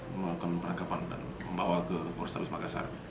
melakukan perangkapan dan membawa ke mapolrestabes makassar